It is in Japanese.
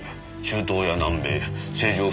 中東や南米政情